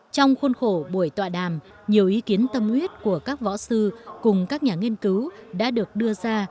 trong khuôn khổ buổi tọa đàm nhiều ý kiến tâm huyết của các võ sư cùng các nhà nghiên cứu đã được đưa ra